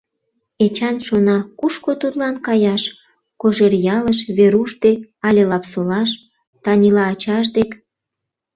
Эчан шона, кушко тудлан каяш: Кожеръялыш, Веруш дек, але Лапсолаш, Танила ачаж дек?